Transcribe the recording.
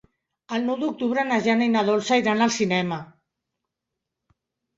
El nou d'octubre na Jana i na Dolça iran al cinema.